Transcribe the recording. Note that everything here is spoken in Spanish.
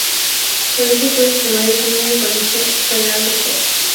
Realiza estudios primarios en el Colegio Federal de Coro.